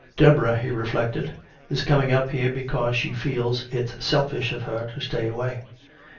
"Deborah," he reflected, "is coming up here because she feels it's selfish of her to stay away.